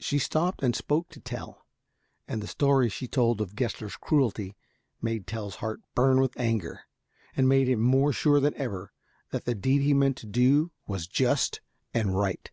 She stopped and spoke to Tell, and the story she told of Gessler's cruelty made Tell's heart burn with anger, and made him more sure than ever that the deed he meant to do was just and right.